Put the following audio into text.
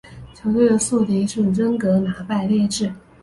球队的宿敌是真格拿拜列治。